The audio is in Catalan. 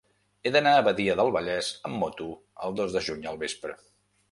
He d'anar a Badia del Vallès amb moto el dos de juny al vespre.